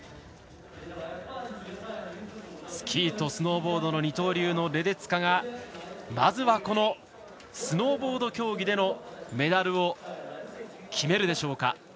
スキーとスノーボードの二刀流のレデツカがまずは、このスノーボード競技でのメダルを決めるでしょうか。